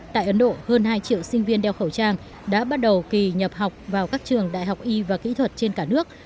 tại ấn độ hơn hai triệu sinh viên đeo khẩu trang đã bắt đầu kỳ nhập học vào các trường đại học y và kỹ thuật trên cả nước